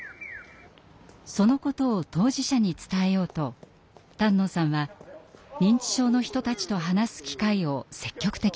そのことを当事者に伝えようと丹野さんは認知症の人たちと話す機会を積極的に求めました。